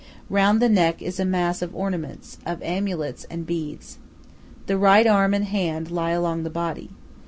Round the neck is a mass of ornaments, of amulets and beads. The right arm and hand lie along the body.